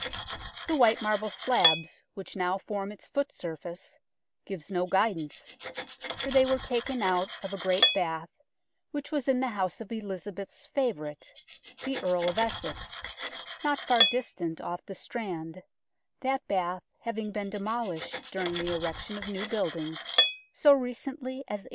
The white marble slabs which now form its foot surface gives no guidance, for they were taken out of a great bath which was in the house of Elizabeth's favourite, the Earl of Essex, not far distant off the Strand, that bath having been demolished during the erection of new buildings so recently as 1893.